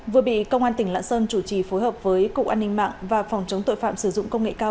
vừa bị công an tỉnh lạng sơn chủ trì phối hợp với cục an ninh mạng và phòng chống tội phạm sử dụng công nghệ cao